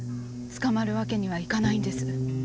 捕まるわけにはいかないんです。